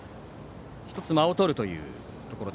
１つ、間をとるというところ。